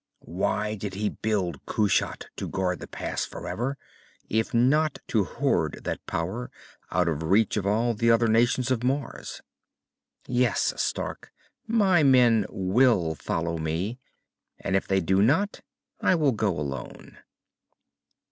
Why did he build Kushat to guard the pass forever, if not to hoard that power out of reach of all the other nations of Mars? "Yes, Stark. My men will follow me. And if they do not, I will go alone."